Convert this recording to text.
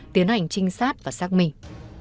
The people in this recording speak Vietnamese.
tiến hành trinh sát và xác minh